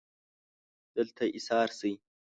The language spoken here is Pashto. دلته ایسار شئ